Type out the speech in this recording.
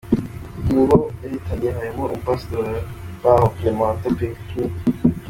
Mu bo yahitanye harimwo umupasitori waho, Clementa Pincnkney.